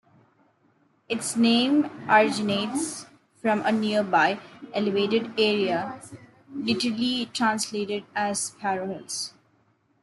Its name originates from a nearby elevated area literally translated as Sparrow Hills.